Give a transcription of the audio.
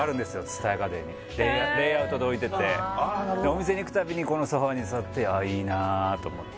蔦屋家電にレイアウトで置いててお店に行く度にこのソファに座ってああいいなあと思って